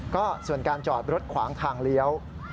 ก็ส่วนการจอดรถขวางทางเลี้ยว